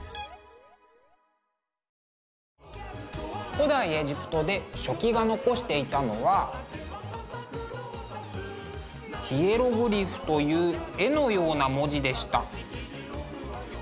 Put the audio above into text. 古代エジプトで書記が残していたのはヒエログリフという絵のような文字でした。